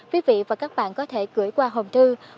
quý vị và các bạn có thể gửi qua hòm thư